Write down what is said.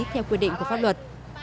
theo quy định của pháp luật